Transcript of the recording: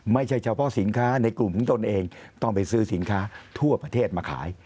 ไม่ใช่เฉพาะสินค้าในกลุ่มของตนเองต้องไปซื้อสินค้าทั่วประเทศมาขาย